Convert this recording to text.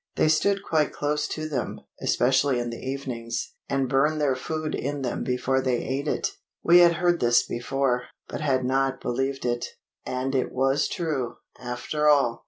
They stood quite close to them, especially in the evenings, and burned their food in them before they ate it. We had heard this before, but had not believed it. And it was true, after all!